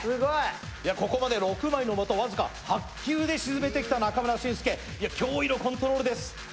ここまで６枚の的僅か８球で沈めてきた、脅威のコントロールです。